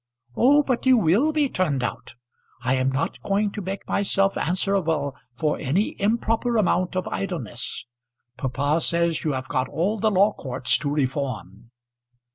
"Oh! but you will be turned out. I am not going to make myself answerable for any improper amount of idleness. Papa says you have got all the law courts to reform."